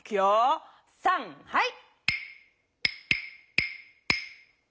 さんはい。